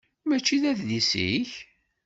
Mačči d adlis-ik?